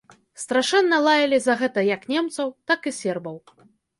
Страшэнна лаялі за гэта як немцаў, так і сербаў.